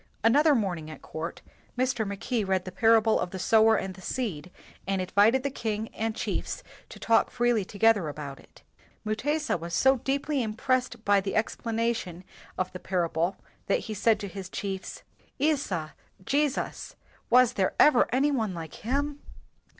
Another morning at court, Mr. Mackay read the parable of the sower and the seed, and invited the king and chiefs to talk freely 103 WHITE MAN OF WORK together about it. Mutesa was so deeply im pressed by the explanation of the parable that he said to his chiefs, "Isa [Jesus], was there ever any one like him?"